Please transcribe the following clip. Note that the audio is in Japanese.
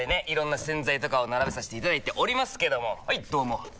いろんな洗剤とかを並べさせていただいておりますけどもはいどうも！